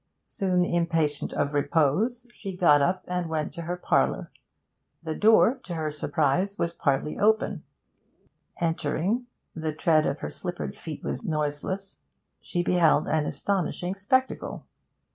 Soon impatient of repose, she got up and went to her parlour. The door, to her surprise, was partly open; entering the tread of her slippered feet was noiseless she beheld an astonishing spectacle.